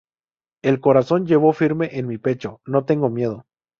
El corazón llevo firme en mi pecho: no tengo miedo.